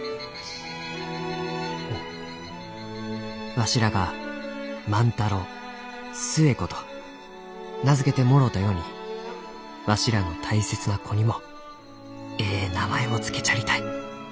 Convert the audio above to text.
「わしらが『万太郎』『寿恵子』と名付けてもろうたようにわしらの大切な子にもえい名前を付けちゃりたい。